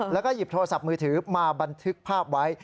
แล้วก็หยิบโทรศัพท์มือถือมาบันทึกภาพไว้